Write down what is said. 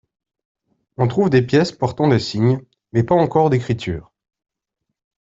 On trouve des pièces portant des signes, mais pas encore d'écriture.